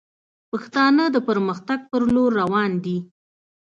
پښتانه د پرمختګ پر لور روان دي